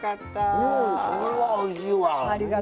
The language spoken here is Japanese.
これは、おいしいわ！